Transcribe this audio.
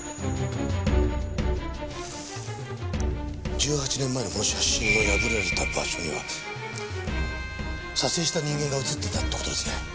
１８年前のこの写真の破られた場所には撮影した人間が写ってたって事ですね。